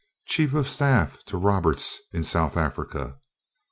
Chief of staff to Roberts in South Africa.